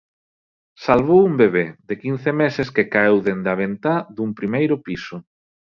Salvou un bebé de quince meses que caeu dende a ventá dun primeiro piso.